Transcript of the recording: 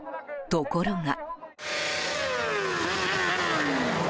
ところが。